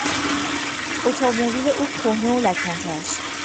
اتومبیل او کهنه و لکنته است.